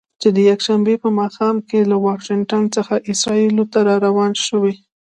چې د یکشنبې په ماښام له واشنګټن څخه اسرائیلو ته روانه شوې.